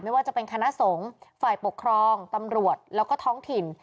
ไม่ว่าจะเป็นคณะสงฆ์ฝ่ายปกครองตำรวจแล้วก็ท้องถิ่น